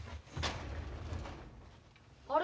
あれ？